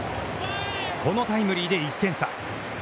このタイムリーで１点差。